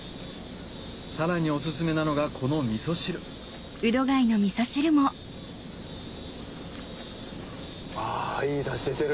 さらにお薦めなのがこのあいいダシ出てる。